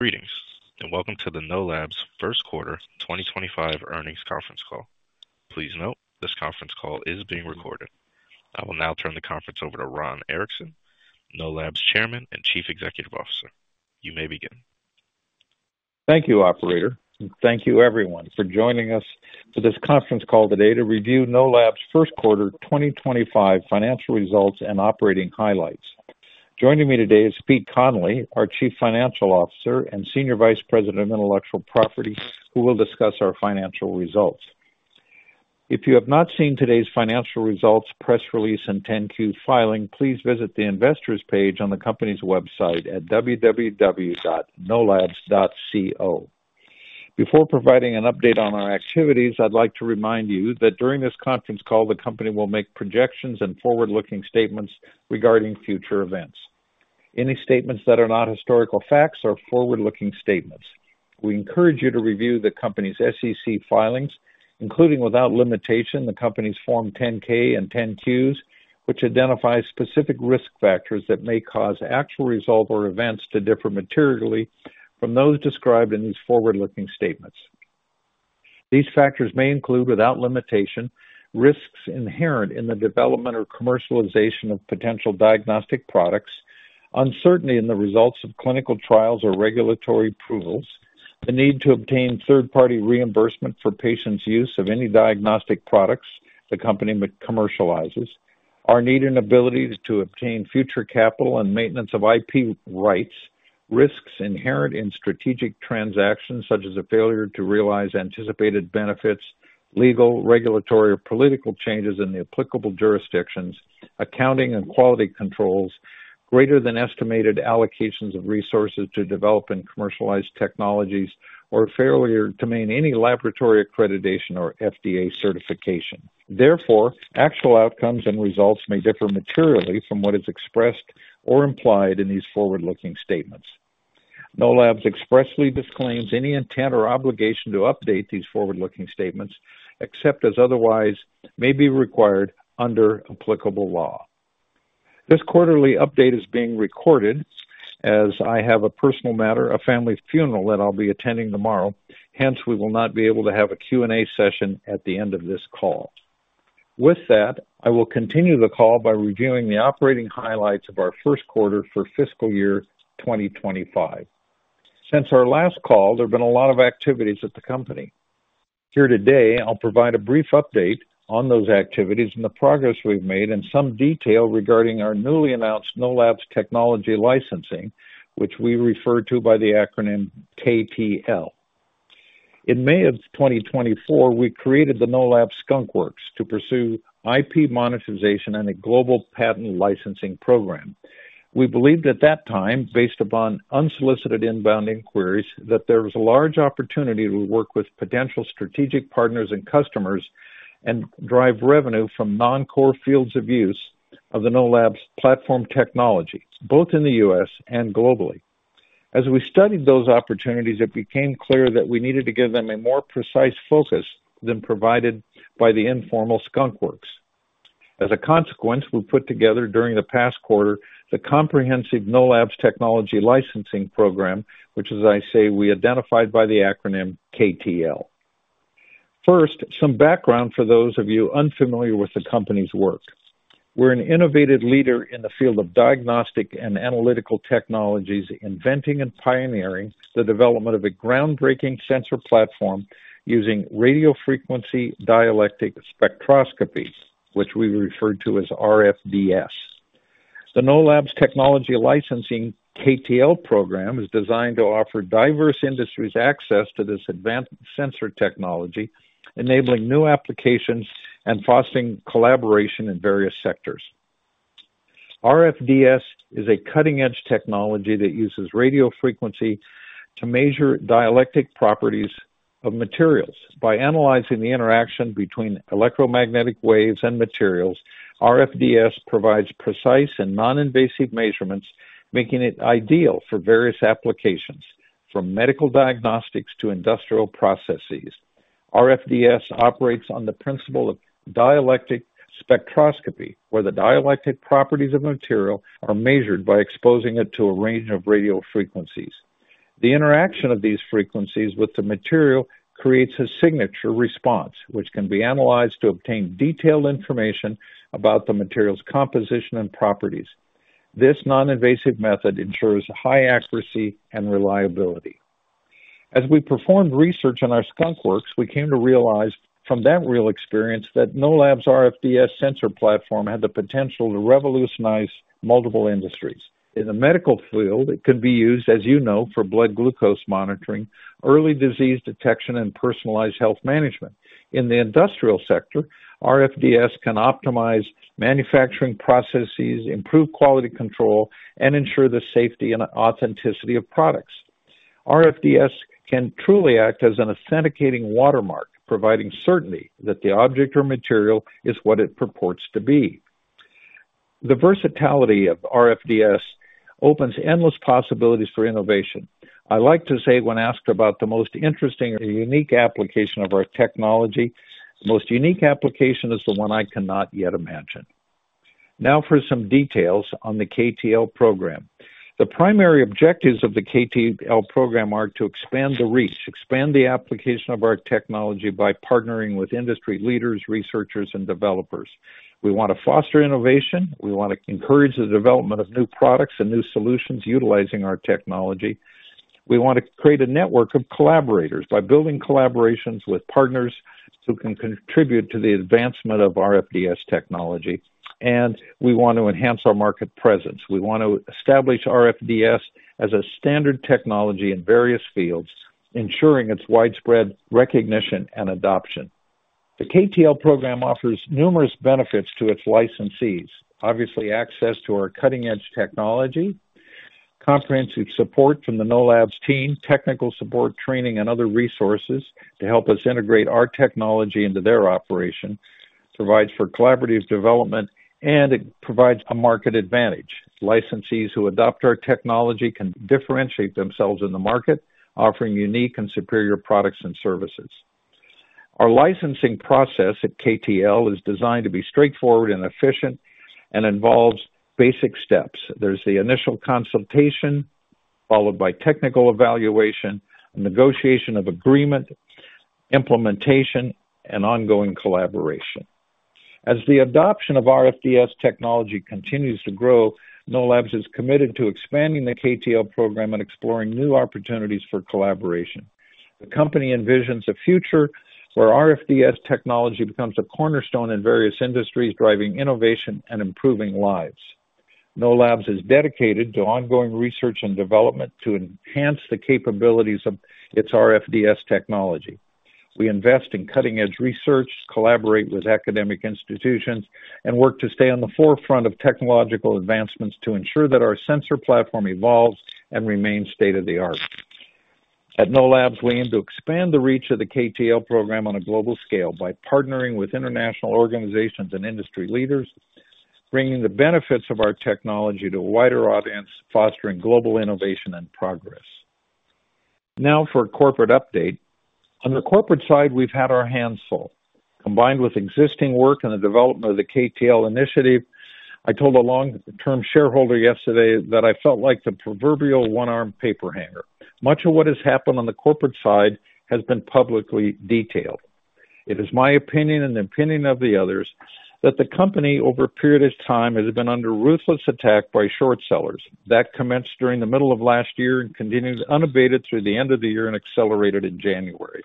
Greetings and welcome to the Know Labs' First Quarter 2025 Earnings Conference Call. Please note this conference call is being recorded. I will now turn the conference over to Ron Erickson, Know Labs' Chairman and Chief Executive Officer. You may begin. Thank you, Operator. Thank you, everyone, for joining us for this conference call today to review Know Labs' first quarter 2025 financial results and operating highlights. Joining me today is Pete Connolly, our Chief Financial Officer and Senior Vice President of Intellectual Property, who will discuss our financial results. If you have not seen today's financial results press release and 10-Q filing, please visit the Investors page on the company's website at www.knowlabs.co. Before providing an update on our activities, I'd like to remind you that during this conference call, the company will make projections and forward-looking statements regarding future events. Any statements that are not historical facts are forward-looking statements. We encourage you to review the company's SEC filings, including without limitation, the company's Form 10-K and 10-Qs, which identify specific risk factors that may cause actual result or events to differ materially from those described in these forward-looking statements. These factors may include, without limitation, risks inherent in the development or commercialization of potential diagnostic products, uncertainty in the results of clinical trials or regulatory approvals, the need to obtain third-party reimbursement for patients' use of any diagnostic products the company commercializes, our need and ability to obtain future capital and maintenance of IP rights, risks inherent in strategic transactions such as a failure to realize anticipated benefits, legal, regulatory, or political changes in the applicable jurisdictions, accounting and quality controls, greater than estimated allocations of resources to develop and commercialize technologies, or failure to maintain any laboratory accreditation or FDA certification. Therefore, actual outcomes and results may differ materially from what is expressed or implied in these forward-looking statements. Know Labs expressly disclaims any intent or obligation to update these forward-looking statements except as otherwise may be required under applicable law. This quarterly update is being recorded as I have a personal matter, a family funeral that I'll be attending tomorrow. Hence, we will not be able to have a Q&A session at the end of this call. With that, I will continue the call by reviewing the operating highlights of our first quarter for fiscal year 2025. Since our last call, there have been a lot of activities at the company. Here today, I'll provide a brief update on those activities and the progress we've made and some detail regarding our newly announced Know Labs Technology Licensing, which we refer to by the acronym KTL. In May of 2024, we created the Know Labs Skunk Works to pursue IP monetization and a global patent licensing program. We believed at that time, based upon unsolicited inbound inquiries, that there was a large opportunity to work with potential strategic partners and customers and drive revenue from non-core fields of use of the Know Labs platform technology, both in the U.S. and globally. As we studied those opportunities, it became clear that we needed to give them a more precise focus than provided by the informal Skunk Works. As a consequence, we put together during the past quarter the comprehensive Know Labs Technology Licensing program, which, as I say, we identified by the acronym KTL. First, some background for those of you unfamiliar with the company's work. We're an innovative leader in the field of diagnostic and analytical technologies, inventing and pioneering the development of a groundbreaking sensor platform using radiofrequency dielectric spectroscopy, which we refer to as RFDS. The Know Labs technology licensing KTL program is designed to offer diverse industries access to this advanced sensor technology, enabling new applications and fostering collaboration in various sectors. RFDS is a cutting-edge technology that uses radiofrequency to measure dielectric properties of materials. By analyzing the interaction between electromagnetic waves and materials, RFDS provides precise and non-invasive measurements, making it ideal for various applications, from medical diagnostics to industrial processes. RFDS operates on the principle of dielectric spectroscopy, where the dielectric properties of a material are measured by exposing it to a range of radio frequencies. The interaction of these frequencies with the material creates a signature response, which can be analyzed to obtain detailed information about the material's composition and properties. This non-invasive method ensures high accuracy and reliability. As we performed research on our Skunk Works, we came to realize from that real experience that Know Labs RFDS sensor platform had the potential to revolutionize multiple industries. In the medical field, it can be used, as you know, for blood glucose monitoring, early disease detection, and personalized health management. In the industrial sector, RFDS can optimize manufacturing processes, improve quality control, and ensure the safety and authenticity of products. RFDS can truly act as an authenticating watermark, providing certainty that the object or material is what it purports to be. The versatility of RFDS opens endless possibilities for innovation. I like to say when asked about the most interesting or unique application of our technology, the most unique application is the one I cannot yet imagine. Now for some details on the KTL program. The primary objectives of the KTL program are to expand the reach, expand the application of our technology by partnering with industry leaders, researchers, and developers. We want to foster innovation. We want to encourage the development of new products and new solutions utilizing our technology. We want to create a network of collaborators by building collaborations with partners who can contribute to the advancement of RFDS technology, and we want to enhance our market presence. We want to establish RFDS as a standard technology in various fields, ensuring its widespread recognition and adoption. The KTL program offers numerous benefits to its licensees, obviously, access to our cutting-edge technology, comprehensive support from the Know Labs team, technical support, training, and other resources to help us integrate our technology into their operation, provides for collaborative development, and it provides a market advantage. Licensees who adopt our technology can differentiate themselves in the market, offering unique and superior products and services. Our licensing process at KTL is designed to be straightforward and efficient and involves basic steps. There's the initial consultation followed by technical evaluation, negotiation of agreement, implementation, and ongoing collaboration. As the adoption of RFDS technology continues to grow, Know Labs is committed to expanding the KTL program and exploring new opportunities for collaboration. The company envisions a future where RFDS technology becomes a cornerstone in various industries, driving innovation and improving lives. Know Labs is dedicated to ongoing research and development to enhance the capabilities of its RFDS technology. We invest in cutting-edge research, collaborate with academic institutions, and work to stay on the forefront of technological advancements to ensure that our sensor platform evolves and remains state-of-the-art. At Know Labs, we aim to expand the reach of the KTL program on a global scale by partnering with international organizations and industry leaders, bringing the benefits of our technology to a wider audience, fostering global innovation and progress. Now for a corporate update. On the corporate side, we've had our hands full. Combined with existing work in the development of the KTL initiative, I told a long-term shareholder yesterday that I felt like the proverbial one-arm paper hanger. Much of what has happened on the corporate side has been publicly detailed. It is my opinion and the opinion of the others that the company, over a period of time, has been under ruthless attack by short sellers. That commenced during the middle of last year and continued unabated through the end of the year and accelerated in January.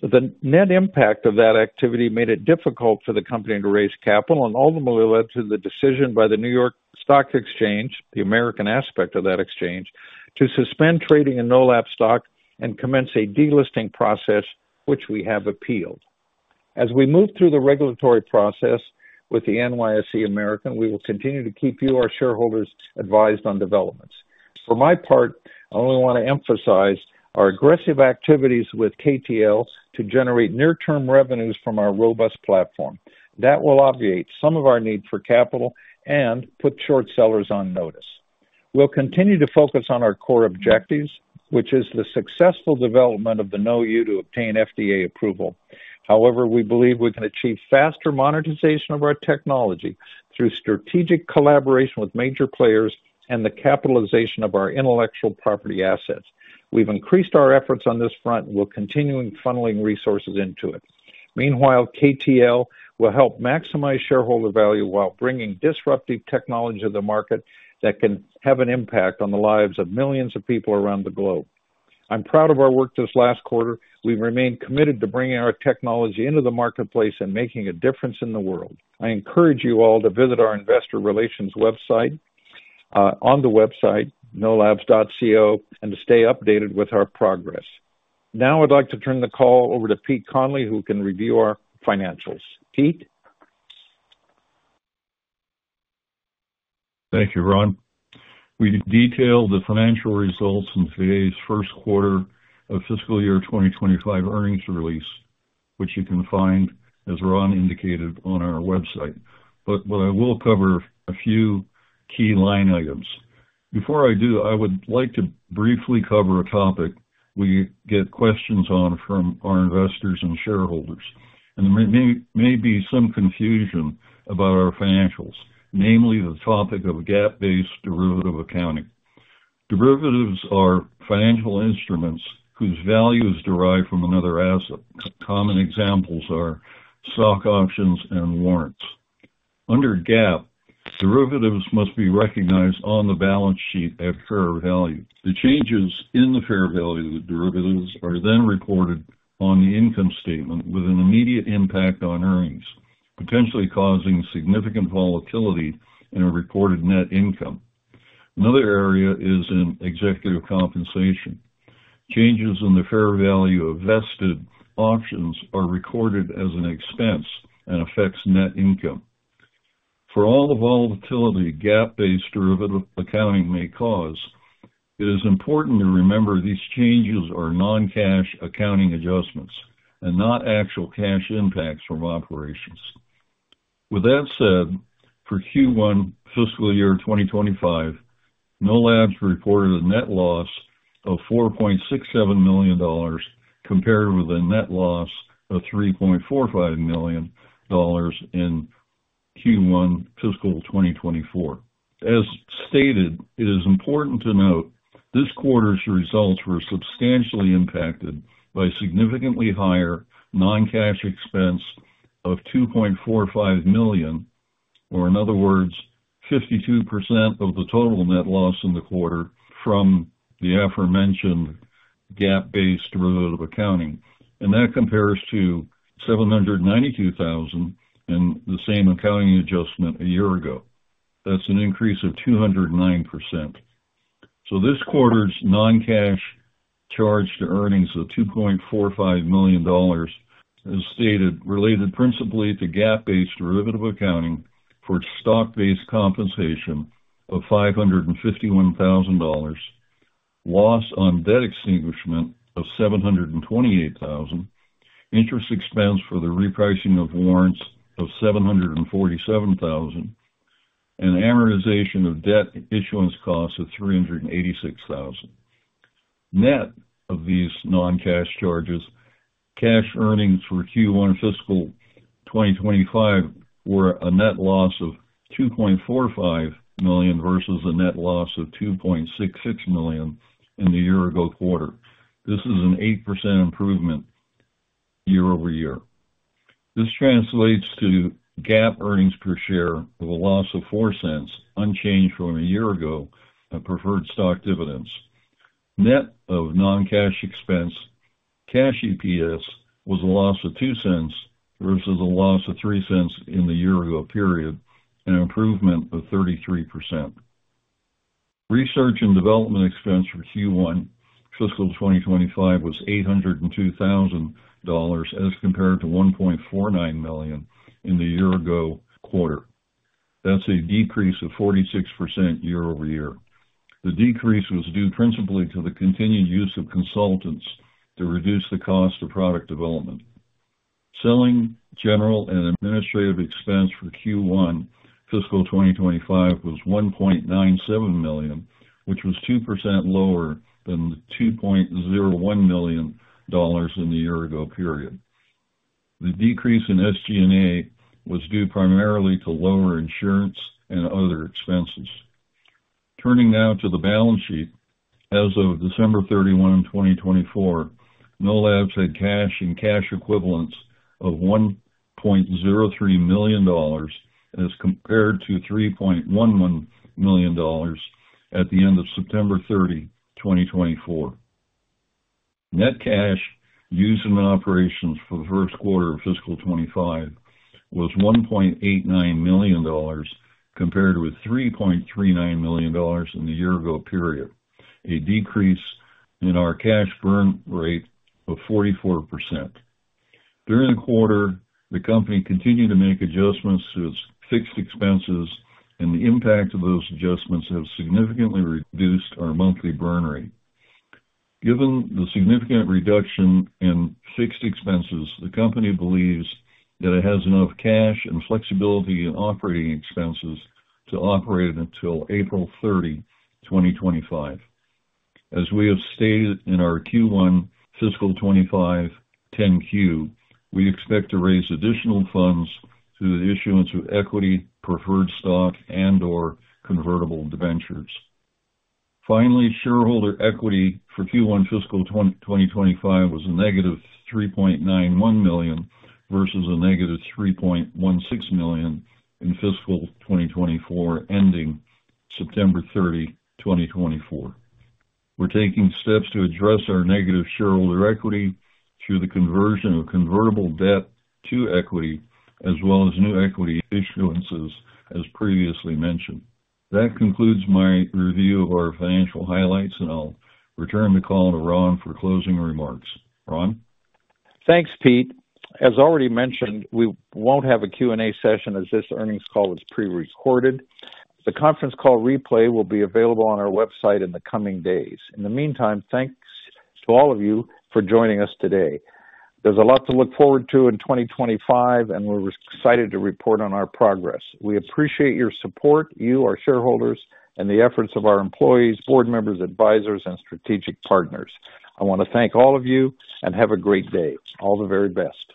The net impact of that activity made it difficult for the company to raise capital and ultimately led to the decision by the New York Stock Exchange, the American aspect of that exchange, to suspend trading in Know Labs stock and commence a delisting process, which we have appealed. As we move through the regulatory process with the NYSE American, we will continue to keep you, our shareholders, advised on developments. For my part, I only want to emphasize our aggressive activities with KTL to generate near-term revenues from our robust platform. That will obviate some of our need for capital and put short sellers on notice. We'll continue to focus on our core objectives, which is the successful development of the KnowU to obtain FDA approval. However, we believe we can achieve faster monetization of our technology through strategic collaboration with major players and the capitalization of our intellectual property assets. We've increased our efforts on this front and will continue funneling resources into it. Meanwhile, KTL will help maximize shareholder value while bringing disruptive technology to the market that can have an impact on the lives of millions of people around the globe. I'm proud of our work this last quarter. We've remained committed to bringing our technology into the marketplace and making a difference in the world. I encourage you all to visit our investor relations website on the website, knowlabs.co, and to stay updated with our progress. Now I'd like to turn the call over to Pete Connolly, who can review our financials. Pete. Thank you, Ron. We detailed the financial results in today's first quarter of fiscal year 2025 earnings release, which you can find, as Ron indicated, on our website. But I will cover a few key line items. Before I do, I would like to briefly cover a topic we get questions on from our investors and shareholders, and there may be some confusion about our financials, namely the topic of GAAP-based derivative accounting. Derivatives are financial instruments whose value is derived from another asset. Common examples are stock options and warrants. Under GAAP, derivatives must be recognized on the balance sheet at fair value. The changes in the fair value of derivatives are then reported on the income statement with an immediate impact on earnings, potentially causing significant volatility in a reported net income. Another area is in executive compensation. Changes in the fair value of vested options are recorded as an expense and affect net income. For all the volatility GAAP-based derivative accounting may cause, it is important to remember these changes are non-cash accounting adjustments and not actual cash impacts from operations. With that said, for Q1 fiscal year 2025, Know Labs reported a net loss of $4.67 million compared with a net loss of $3.45 million in Q1 fiscal 2024. As stated, it is important to note this quarter's results were substantially impacted by significantly higher non-cash expense of $2.45 million, or in other words, 52% of the total net loss in the quarter from the aforementioned GAAP-based derivative accounting. And that compares to $792,000 in the same accounting adjustment a year ago. That's an increase of 209%. This quarter's non-cash charged to earnings of $2.45 million, as stated, related principally to GAAP-based derivative accounting for stock-based compensation of $551,000, loss on debt extinguishment of $728,000, interest expense for the repricing of warrants of $747,000, and amortization of debt issuance costs of $386,000. Net of these non-cash charges, cash earnings for Q1 fiscal 2025 were a net loss of $2.45 million versus a net loss of $2.66 million in the year-ago quarter. This is an 8% improvement year over year. This translates to GAAP earnings per share of a loss of $0.04, unchanged from a year ago at preferred stock dividends. Net of non-cash expense, cash EPS was a loss of $0.02 versus a loss of $0.03 in the year-ago period, an improvement of 33%. Research and development expense for Q1 fiscal 2025 was $802,000 as compared to $1.49 million in the year-ago quarter. That's a decrease of 46% year over year. The decrease was due principally to the continued use of consultants to reduce the cost of product development. Selling, General, and Administrative expense for Q1 fiscal 2025 was $1.97 million, which was 2% lower than the $2.01 million in the year-ago period. The decrease in SG&A was due primarily to lower insurance and other expenses. Turning now to the balance sheet, as of December 31, 2024, Know Labs had cash and cash equivalents of $1.03 million as compared to $3.11 million at the end of September 30, 2024. Net cash used in operations for the first quarter of fiscal 2025 was $1.89 million compared with $3.39 million in the year-ago period, a decrease in our cash burn rate of 44%. During the quarter, the company continued to make adjustments to its fixed expenses, and the impact of those adjustments has significantly reduced our monthly burn rate. Given the significant reduction in fixed expenses, the company believes that it has enough cash and flexibility in operating expenses to operate until April 30, 2025. As we have stated in our Q1 fiscal 25 10-Q, we expect to raise additional funds through the issuance of equity, preferred stock, and/or convertible debentures. Finally, shareholder equity for Q1 fiscal 2025 was a negative $3.91 million versus a negative $3.16 million in fiscal 2024 ending September 30, 2024. We're taking steps to address our negative shareholder equity through the conversion of convertible debt to equity, as well as new equity issuances, as previously mentioned. That concludes my review of our financial highlights, and I'll return the call to Ron for closing remarks. Ron? Thanks, Pete. As already mentioned, we won't have a Q&A session as this earnings call was prerecorded. The conference call replay will be available on our website in the coming days. In the meantime, thanks to all of you for joining us today. There's a lot to look forward to in 2025, and we're excited to report on our progress. We appreciate your support, you, our shareholders, and the efforts of our employees, board members, advisors, and strategic partners. I want to thank all of you and have a great day. All the very best.